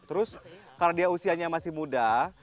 terus karena dia usianya masih muda